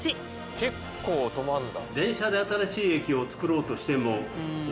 結構止まるんだ。